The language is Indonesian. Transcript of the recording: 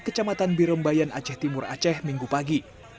kecamatan birombayan aceh timur aceh minggu pagi